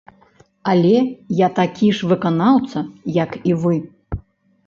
Але я такі ж выканаўца, як і вы.